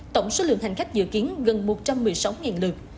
tổng số lượng hành khách dự kiến gần một trăm một mươi sáu lượt